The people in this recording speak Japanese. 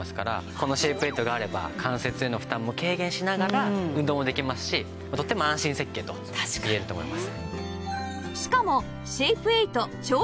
このシェイプエイトがあれば関節への負担も軽減しながら運動もできますしとても安心設計と言えると思います。